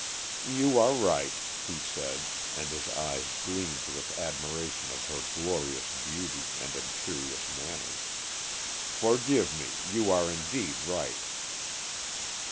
"You are right," he said, and his eyes gleamed with admiration of her glorious beauty and imperious manner. "Forgive me,—you are indeed right."